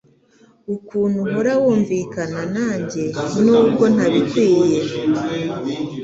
Ukuntu uhora wunvikana nanjye nubwo ntabikwiye